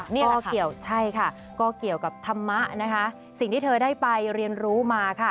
นี่แหละคะใช่ค่ะก็เกี่ยวกับธรรมะสิ่งที่เธอได้ไปเรียนรู้มา